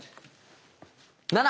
７！